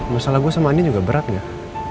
masalah gue sama andi juga berat gak